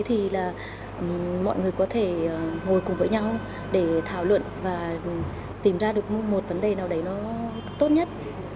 thì là mọi người có thể ngồi cùng với nhau để thảo luận và tìm ra được một vấn đề nào đấy nó tốt nhất